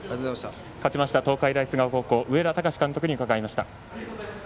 勝ちました東海大菅生高校の上田崇監督に伺いました。